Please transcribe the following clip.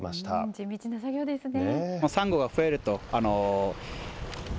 地道な作業ですね。